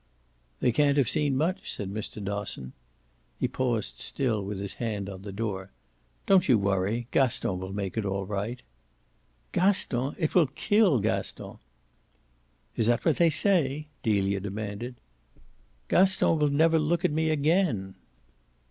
"They can't have seen much," said Mr. Dosson. He paused still with his hand on the door. "Don't you worry Gaston will make it all right." "Gaston? it will kill Gaston!" "Is that what they say?" Delia demanded. "Gaston will never look at me again."